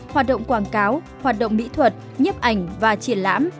hoạt động quảng cáo hoạt động mỹ thuật nhếp ảnh và triển lãm